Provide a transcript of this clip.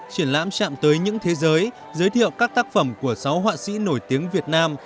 triển lãm chạm tới những thế giới giới thiệu các tác phẩm của sáu họa sĩ nổi tiếng việt nam